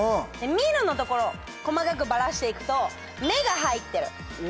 「見る」のところ細かくバラしていくと「目」が入ってる。